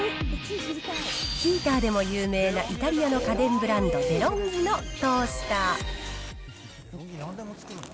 ヒーターでも有名なイタリアの家電ブランド、デロンギのトースター。